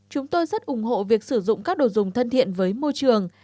nhiều người rất ủng hộ việc sử dụng các đồ dùng thân thiện với môi trường